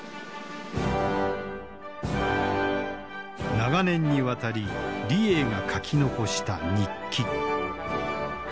長年にわたり李鋭が書き残した日記。